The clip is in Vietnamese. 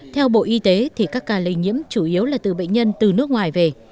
theo bộ y tế thì các ca lây nhiễm chủ yếu là từ bệnh nhân từ nước ngoài về